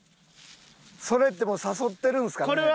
それってもう誘ってるんですかね？